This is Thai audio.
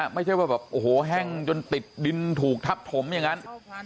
ไม่ใช่ว่าแบบโอ้โหแห้งจนติดดินถูกทับถมอย่างนั้น